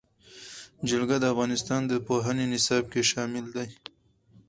جلګه د افغانستان د پوهنې نصاب کې شامل دي.